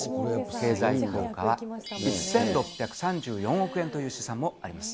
経済効果は１６３４億円という試算もあります。